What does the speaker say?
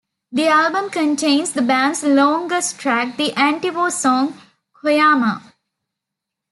The album contains the band's longest track, the anti-war song "Kuiama".